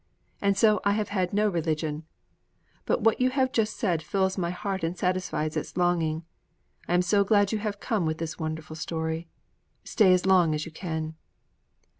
And so I have had no religion. But what you have just said fills my heart and satisfies its longings. I am so glad you have come with this wonderful story. Stay as long as you can!"'